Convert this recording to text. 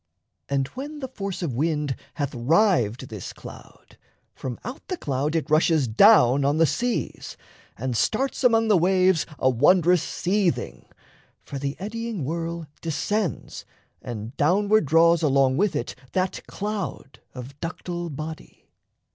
And when the force of wind Hath rived this cloud, from out the cloud it rushes Down on the seas, and starts among the waves A wondrous seething, for the eddying whirl Descends and downward draws along with it That cloud of ductile body.